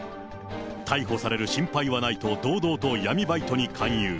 逮捕される心配はないと堂々と闇バイトに勧誘。